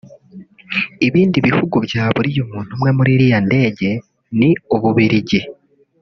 Ibindi bihugu byaburiye umuntu umwe muri iriya ndege ni Ububiligi